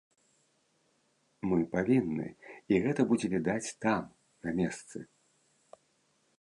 Мы павінны, і гэта будзе відаць там, на месцы.